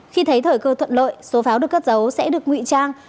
khi thấy thời cơ thuận lợi số pháo được cất giấu sẽ được nguy trang